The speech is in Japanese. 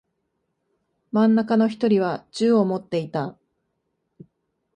真ん中の一人は銃を持っていた。